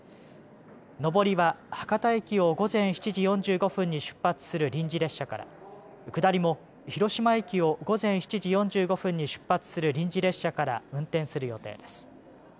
上りは博多駅を午前７時４５分に出発する臨時列車から下りも広島駅を午前７時４５分に出発する臨時列車から運転する予定です。